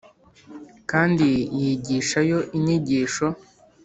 kandi yigishayo inyigisho